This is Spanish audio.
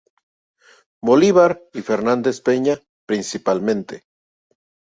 Bolívar y Fernández Peña, principalmente.